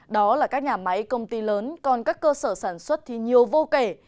đó là các nhà máy công ty lớn còn các cơ sở sản xuất thì nhiều vô kể